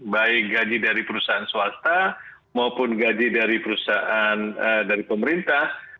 baik gaji dari perusahaan swasta maupun gaji dari perusahaan dari pemerintah